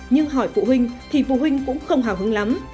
nhưng hỏi phụ huynh thì phụ huynh cũng không hào hứng lắm